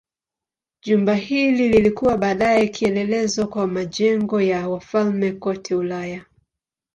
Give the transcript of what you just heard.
Jumba hili lilikuwa baadaye kielelezo kwa majengo ya wafalme kote Ulaya.